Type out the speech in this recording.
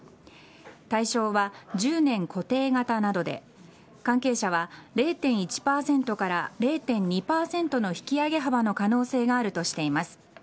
対象は１０年固定型などで関係者は、０．１％から０．２％の引き上げ幅の可能性があるとしています。